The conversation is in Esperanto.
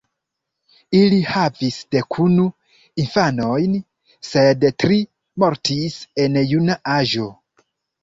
Ili havis dekunu infanojn, sed tri mortis en juna aĝo.